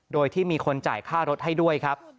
โดยที่มีคนจ่ายค่ารถให้ด้วยครับ